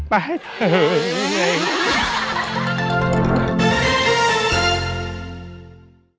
ไปให้เธอ